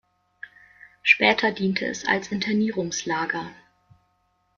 Später diente es als Internierungslager.